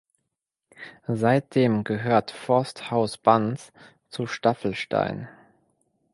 Seitdem gehört Forsthaus Banz zu Staffelstein.